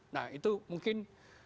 nah itu mungkin